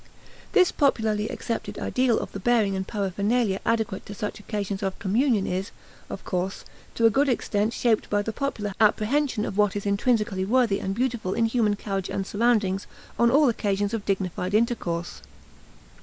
This popularly accepted ideal of the bearing and paraphernalia adequate to such occasions of communion is, of course, to a good extent shaped by the popular apprehension of what is intrinsically worthy and beautiful in human carriage and surroundings on all occasions of dignified intercourse.